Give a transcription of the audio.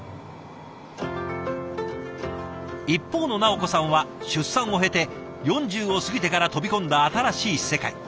一方の直子さんは出産を経て４０を過ぎてから飛び込んだ新しい世界。